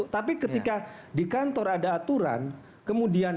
tapi ketika di kantor ada aturan kemudian